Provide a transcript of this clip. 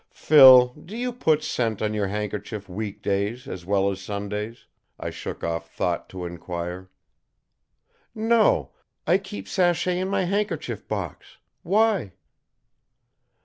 "Phil, do you put scent on your handkerchief week days as well as Sundays?" I shook off thought to inquire. "No; I keep sachet in my handkerchief box. Why?"